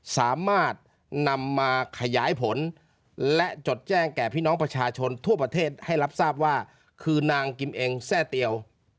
สามารถนำมาขยายผลและจดแจ้งแก่พี่น้องประชาชนทั่วประเทศให้รับทราบว่าคือนางกิมเองแทร่เตียว